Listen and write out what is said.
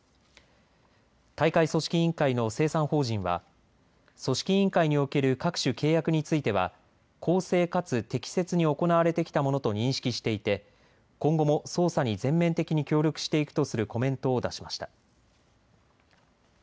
大会組織委員会の清算法人は組織委員会における各種契約については公正かつ適切に行われてきたものと認識していて今後も捜査に全面的に協力していくとするコメントを出しました。